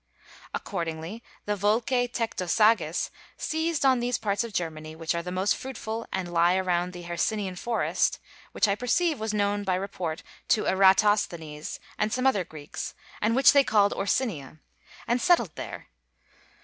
Accordingly, the Volcæ Tectosages seized on those parts of Germany which are the most fruitful and lie around the Hercynian forest (which I perceive was known by report to Eratosthenes and some other Greeks, and which they call Orcynia), and settled there.